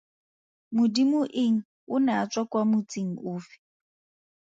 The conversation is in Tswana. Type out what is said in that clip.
Modimoeng o ne a tswa kwa motseng ofe?